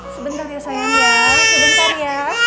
sebentar ya sayang ya sebentar ya